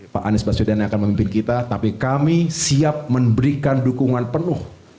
pak anies baswedan yang akan memimpin kita tapi kami siap memberikan dukungan penuh